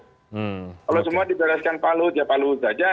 kalau semua dibereskan pak luhut ya pak luhut aja